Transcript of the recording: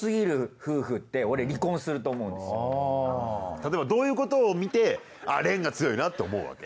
例えばどういうことを見て恋が強いなって思うわけ？